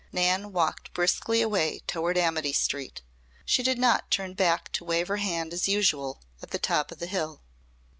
Nan walked briskly away toward Amity Street. She did not turn back to wave her hand as usual at the top of the hill.